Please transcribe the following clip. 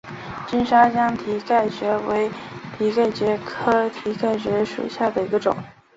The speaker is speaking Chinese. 金沙江蹄盖蕨为蹄盖蕨科蹄盖蕨属下的一个种。